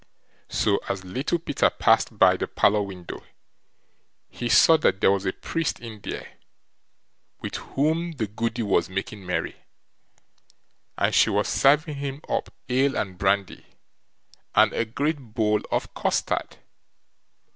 So as little Peter passed by the parlour window, he saw that there was a priest in there, with whom the Goody was making merry, and she was serving him up ale and brandy, and a great bowl of custard.